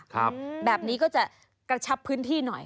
ครับแบบนี้ก็จะกระชับพื้นที่หน่อย